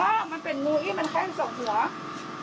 อ๋อมันเป็นงูมีแค่สองหัว